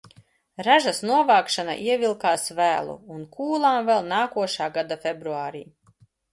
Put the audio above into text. Ražas novākšana ievilkās vēlu un kūlām vēl nākošā gada februārī.